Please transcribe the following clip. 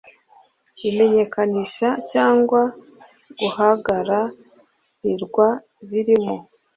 imenyekanisha cyangwa guhagara rirwa birimo